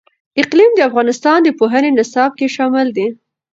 اقلیم د افغانستان د پوهنې نصاب کې شامل دي.